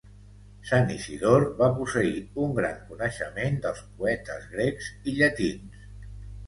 Sant Isidor va posseir un gran coneixement dels poetes grecs i llatins.